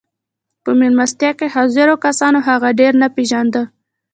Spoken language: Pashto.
په مېلمستيا کې حاضرو کسانو هغه ډېر نه پېژانده.